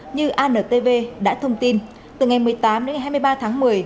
như antv đã thông tin từ ngày một mươi tám đến ngày hai mươi ba tháng